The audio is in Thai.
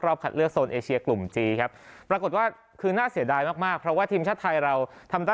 รอบคัดเลือกแอเชียกลุ่มครับปรากฏว่าคือน่าเสียดายมากมาก